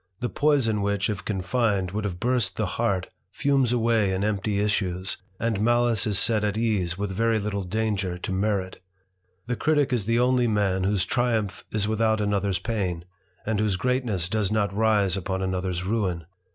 * T poison which, if confined, would have burst the hea fumes away in empty isses, and malice is set at ease w: very little danger to merit The Critick is the only m whose triumph is without another's pain, and whc greatness does not rise upon another's ruin.